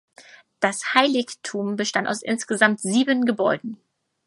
Das Heiligtum bestand aus insgesamt sieben Gebäuden.